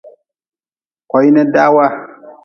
Koini dawa.